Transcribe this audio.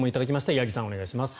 八木さん、お願いします。